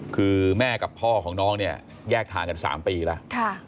คือแม่กับพ่อของน้องเนี่ยแยกทางกัน๓ปีแล้ว